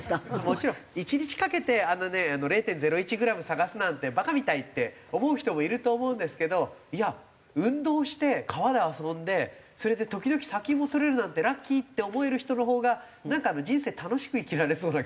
もちろん１日かけてあのね０．０１グラム探すなんてバカみたいって思う人もいると思うんですけどいや運動して川で遊んでそれで時々砂金も採れるなんてラッキーって思える人のほうが人生楽しく生きられそうな気がするんですよね。